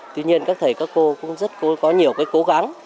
tuy nhiên các thầy các cô cũng rất có nhiều cố gắng